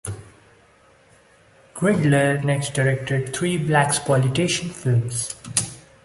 Girdler next directed three "blaxploitation" films.